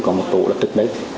có một tổ lập tức đấy